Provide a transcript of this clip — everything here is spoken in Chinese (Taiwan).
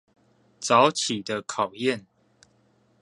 早起的考驗